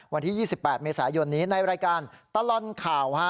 วันที่๒๘เมษายนนี้ในรายการตลอดข่าว